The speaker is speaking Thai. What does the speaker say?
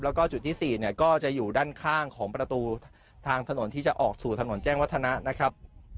แล้วก็จุดที่๔เนี่ยก็จะอยู่ด้านข้างของประตูทางถนนที่จะออกสู่ถนนแจ้งวัฒนะนะครับ